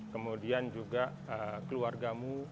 kemudian juga keluargamu